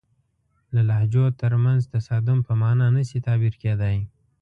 د لهجو ترمنځ تصادم په معنا نه شي تعبیر کېدای.